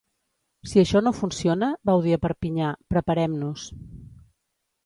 Si això no funciona, vau dir a Perpinyà, ‘preparem-nos’.